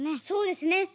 そうですね。